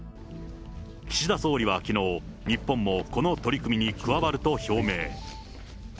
岸田総理はきのう、日本もこの取り組みに加わると表明。